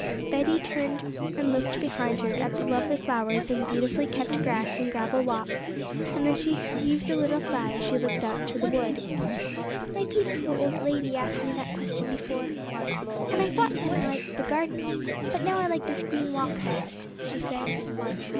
Betty turned and looked behind her at the lovely flowers and beautifully kept grass and gravel walks, and then she heaved a little sigh as she looked out into the wood. 'My beautiful old lady asked me that question before, and I thought then I liked the garden, but now I like this green walk best,' she said.